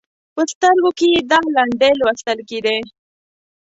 په سترګو کې یې دا لنډۍ لوستل کېدې: